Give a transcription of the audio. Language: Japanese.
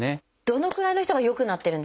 どのくらいの人が良くなってるんですか？